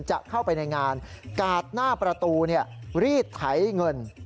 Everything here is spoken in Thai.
จะเข้าไปในงานกาดหน้าประตูรีดไถเงิน